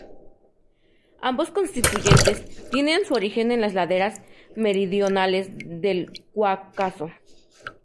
Ambos constituyentes tienen su origen en las laderas meridionales del Cáucaso.